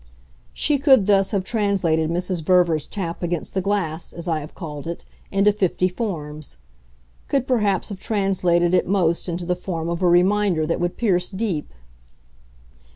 She could thus have translated Mrs. Verver's tap against the glass, as I have called it, into fifty forms; could perhaps have translated it most into the form of a reminder that would pierce deep.